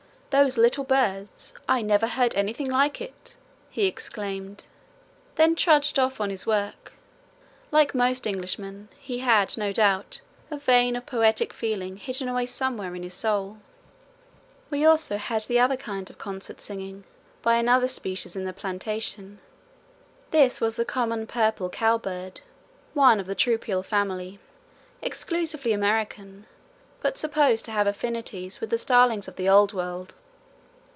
"Those little birds! I never heard anything like it!" he exclaimed, then trudged off to his work. Like most Englishmen, he had, no doubt, a vein of poetic feeling hidden away somewhere in his soul. We also had the other kind of concert singing by another species in the plantation. This was the common purple cow bird, one of the Troupial family, exclusively American, but supposed to have affinities with the starlings of the Old World.